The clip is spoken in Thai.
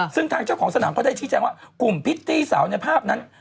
ซึ่งทางเจ้าของสนามก็ได้ชี้แจงว่ากลุ่มพิตตี้สาวในภาพนั้น